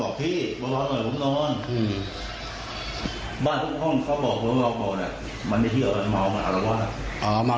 บ้านทุกห้องเขาบอกเบามันไม่ใช่เหรอมันอารวาส